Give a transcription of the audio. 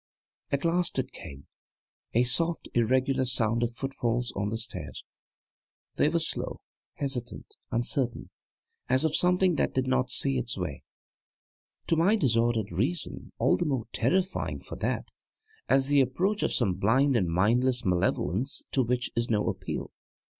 At last it came a soft, irregular sound of footfalls on the stairs! They were slow, hesitant, uncertain, as of something that did not see its way; to my disordered reason all the more terrifying for that, as the approach of some blind and mindless malevolence to which is no appeal.